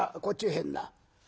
こっちへ入んな。